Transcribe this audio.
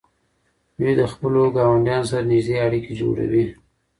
دوی د خپلو ګاونډیانو سره نږدې اړیکې جوړوي.